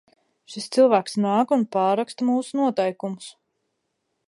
Šis cilvēks nāk un pārraksta mūsu noteikumus!